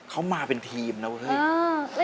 เขามาเป็นทีมแล้ว